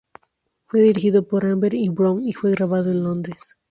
Fue dirigido por Amber y Brown y fue grabado en Londres.